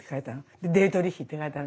でディートリヒって書いたの。